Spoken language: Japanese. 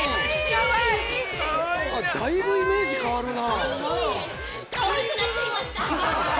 ◆大分イメージ変わるな。